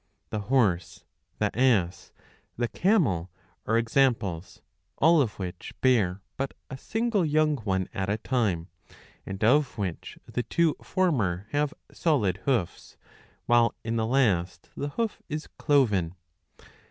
The horse, the ass, the camel are examples ; all of which bear but a single young one at a time, and of which the two former have solid hoofs, while in the last the hoof is cloven.